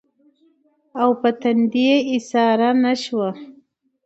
او پۀ تندې ايساره نۀ شوه